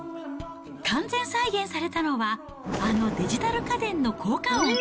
完全再現されたのは、あのデジタル家電の効果音。